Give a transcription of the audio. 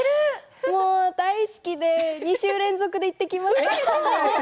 大好きで２週連続で行ってきました。